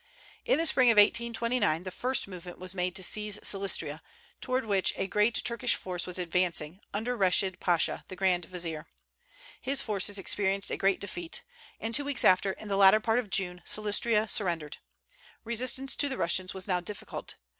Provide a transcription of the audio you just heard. In the spring of 1829 the first movement was made to seize Silistria, toward which a great Turkish force was advancing, under Reschid Pasha, the grand vizier. His forces experienced a great defeat; and two weeks after, in the latter part of June, Silistria surrendered. Resistance to the Russians was now difficult.